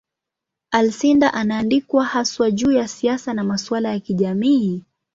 Alcindor anaandikwa haswa juu ya siasa na masuala ya kijamii.